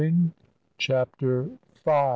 CHAPTER V.